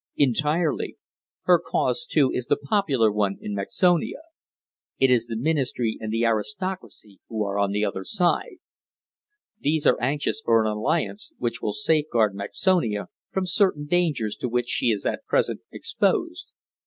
"Entirely. Her cause, too, is the popular one in Mexonia. It is the ministry and the aristocracy who are on the other side. These are anxious for an alliance which will safeguard Mexonia from certain dangers to which she is at present exposed.